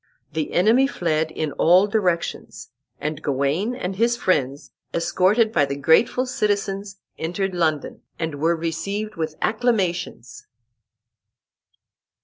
The enemy fled in all directions, and Gawain and his friends, escorted by the grateful citizens, entered London, and were received with acclamations.